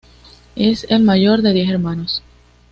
Es el mayor de diez hermanos.